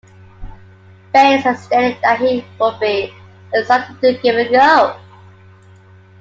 Baines has stated that he would be "excited to give it a go".